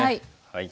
はい。